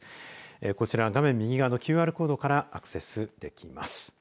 こちら画面右側のＱＲコードからアクセスできます。